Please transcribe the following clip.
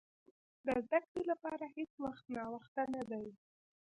د زده کړې لپاره هېڅ وخت ناوخته نه دی.